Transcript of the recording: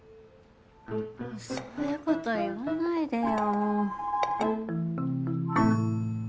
そういうこと言わないでよ。